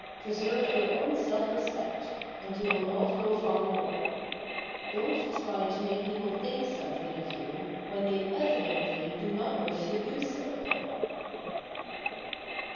Preserve your own self respect and you will not go far wrong. Don't try to make people think something of you when they evidently do not wish to do so.